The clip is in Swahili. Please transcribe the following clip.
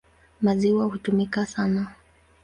Maziwa hutumika sana.